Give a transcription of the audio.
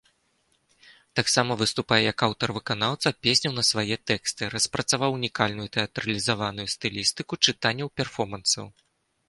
Таксама выступае як аўтар-выканаўца песняў на свае тэксты, распрацаваў унікальную тэатралізаваную стылістыку чытанняў-перфомансаў.